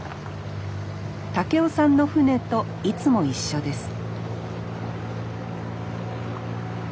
孟夫さんの船といつも一緒です